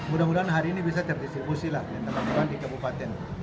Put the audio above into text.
mudah mudahan hari ini bisa terdistribusilah bantuan di kebupaten